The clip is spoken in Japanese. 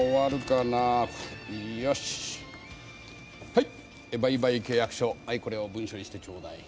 はい売買契約書はいこれを文書にしてちょうだい。